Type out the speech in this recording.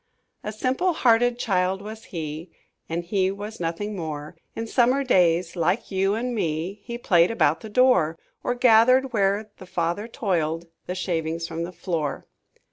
"A simple hearted child was he, And he was nothing more; In summer days, like you and me, He played about the door, Or gathered, where the father toiled, The shavings from the floor."